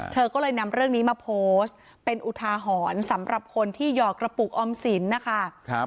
เธอก็เลยนำเรื่องนี้มาโพสต์เป็นอุทาหรณ์สำหรับคนที่หยอกกระปุกออมสินนะคะ